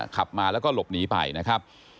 ขับมาแล้วก็หลบหนีไปนะครับ